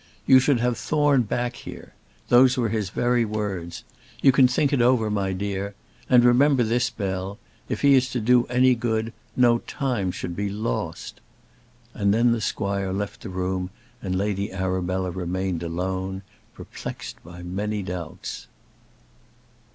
'You should have Thorne back here;' those were his very words. You can think it over, my dear. And remember this, Bell; if he is to do any good no time should be lost." And then the squire left the room, and Lady Arabella remained alone, perplexed by many doubts.